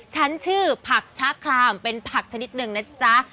ฉันชื่อผักชะคลามเป็นผักชนิดหนึ่งนะจ๊ะ